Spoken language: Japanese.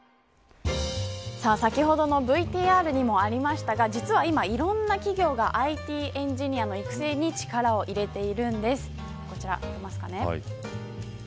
先ほどのＶＴＲにもありましたが実は今、いろんな企業がＩＴエンジニアの育成に力を入れているんです。